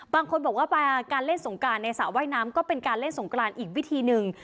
บางคนบอกว่าไปการเล่นสงกรานในสระว่ายน้ำก็เป็นการเล่นสงกรานอีกวิธีหนึ่ง